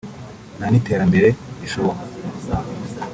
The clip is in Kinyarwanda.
nta n’iterambere rishoboka